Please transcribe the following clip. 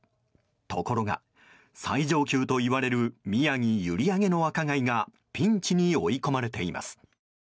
ところが、最上級といわれる宮城・閖上のアカガイがピンチに追い込まれています。